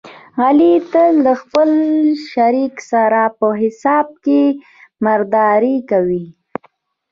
علي تل له خپل شریک سره په حساب کې مردارې کوي.